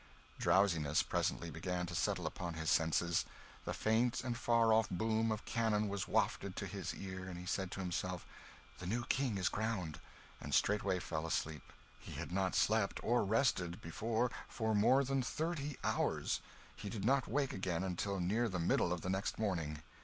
Drowsiness presently began to settle upon his senses; the faint and far off boom of cannon was wafted to his ear, and he said to himself, "The new King is crowned," and straightway fell asleep. He had not slept or rested, before, for more than thirty hours. He did not wake again until near the middle of the next morning.